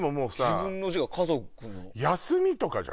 自分の時間家族の。